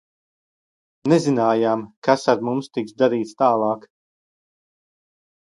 Nezinājām, kas ar mums tiks darīts tālāk.